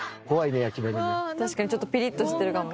確かにちょっとピリッとしてるかも。